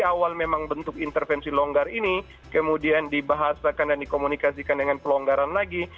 di awal memang bentuk intervensi longgar ini kemudian dibahasakan dan dikomunikasikan dengan pelonggaran lagi